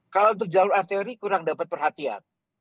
kalau untuk jalur arteori kurang dapat perhatian